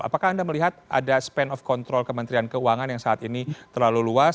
apakah anda melihat ada span of control kementerian keuangan yang saat ini terlalu luas